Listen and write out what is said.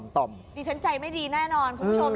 ดิฉันใจไม่ดีแน่นอนคุณผู้ชม